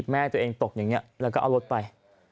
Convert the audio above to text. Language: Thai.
แม่ตัวเองตกอย่างนี้แล้วก็เอารถไป